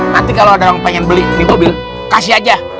nanti kalau ada yang pengen beli di mobil kasih aja